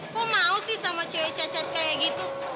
kok mau sih sama cewek cacat kayak gitu